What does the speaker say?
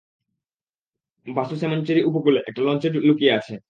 বাসু সেমনচেরি উপকূলে, একটা লঞ্চে লুকিয়ে আছে।